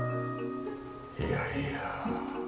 いやいや。